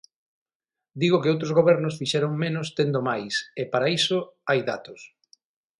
Digo que outros gobernos fixeron menos tendo máis, e para iso hai datos.